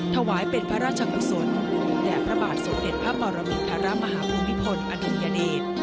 ถวายเป็นพระราชกุศลแด่พระบาทสมเด็จพระปรมินทรมาฮภูมิพลอดุลยเดช